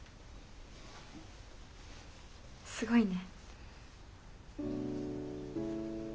すごいね。